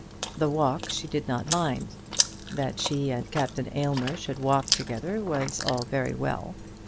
The walk she did not mind. That she and Captain Aylmer should walk together was all very well.